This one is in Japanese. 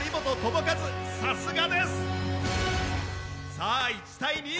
さあ１対２。